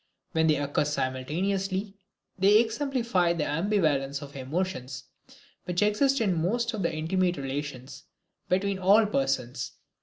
When they occur simultaneously they exemplify the ambivalence of emotions which exists in most of the intimate relations between all persons.